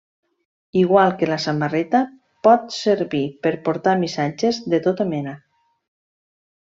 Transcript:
Igual que la samarreta, pot servir per portar missatges de tota mena.